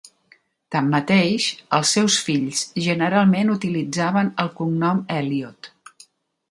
Tanmateix, els seus fills generalment utilitzaven el cognom Eliot.